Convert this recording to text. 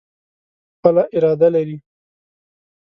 خپله اراده لري.